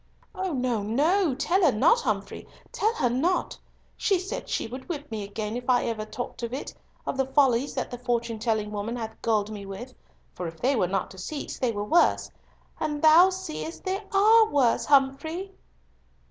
"Oh no, no! tell her not, Humfrey, tell her not. She said she would whip me again if ever I talked again of the follies that the fortune telling woman had gulled me with, for if they were not deceits, they were worse. And, thou seest, they are worse, Humfrey!"